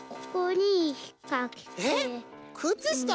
えっくつした？